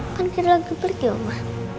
kan kira kira pergi om a